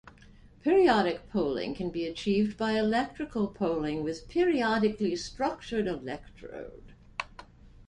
Periodic poling can be achieved by electrical poling with periodically structured electrode.